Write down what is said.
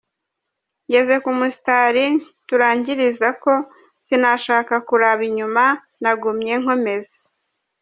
"Ngeze ku musitari turangirizako, sinashaka kuraba inyuma nagumye nkomeza.